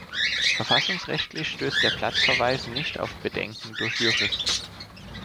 Verfassungsrechtlich stößt der Platzverweis nicht auf Bedenken durch Juristen.